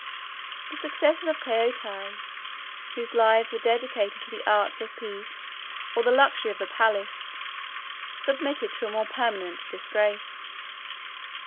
The successors of Kaoti, whose lives were dedicated to the arts of peace, or the luxury of the palace, submitted to a more permanent disgrace.